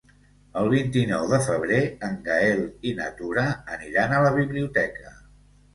El vint-i-nou de febrer en Gaël i na Tura aniran a la biblioteca.